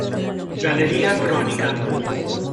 Galería Crónica.